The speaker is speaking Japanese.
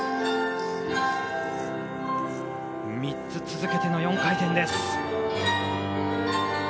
３つ続けての４回転です。